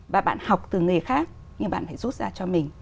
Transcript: và bạn học từ nghề khác nhưng bạn phải rút ra cho mình